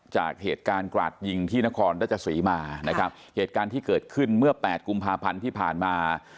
จากเหตุการณ์กราดยิงที่นครราชสีมานะครับเหตุการณ์ที่เกิดขึ้นเมื่อแปดกุมภาพันธ์ที่ผ่านมา